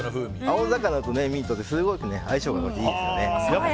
青魚とミントですごく相性がいいですよね。